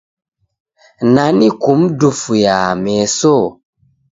Nani kumdufuyaa meso?